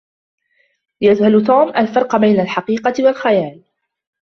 يجهل "توم" الفرق بين الحقيقة و الخيال